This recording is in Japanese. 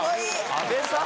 阿部さん